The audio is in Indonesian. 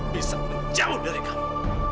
bisa menjauh dari kamu